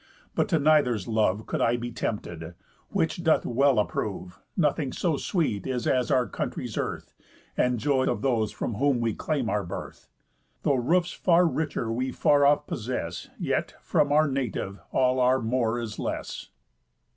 But to neither's love Could I be tempted; which doth well approve, Nothing so sweet is as our country's earth, And joy of those from whom we claim our birth. Though roofs far richer we far off possess, Yet, from our native, all our more is less.